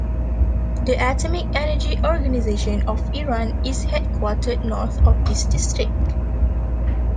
The Atomic Energy Organization of Iran is headquartered north of this district.